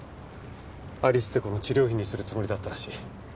アリスって子の治療費にするつもりだったらしい。